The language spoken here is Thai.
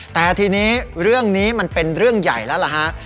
แต่ทีนี้เรื่องนี้มันเป็นเรื่องใหญ่แล้วล่ะฮะ